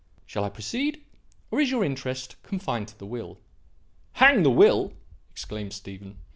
Shall I proceed, or is your interest confined to the will?" "Hang the will!" exclaimed Stephen.